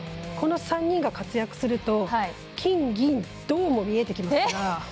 この３人が活躍すると金、銀、銅も見えてきますから。